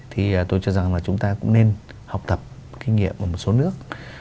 thì tôi cho rằng là chúng ta cũng nên học tập kinh nghiệm ở một số nước